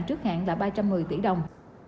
trước hạn là ba trăm một mươi tỷ đồng